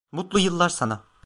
Mutlu yıllar sana.